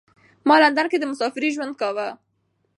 ما لندن کې د مسافرۍ ژوند کاوه.